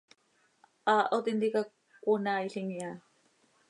Haaho tintica cöconaaailim iha.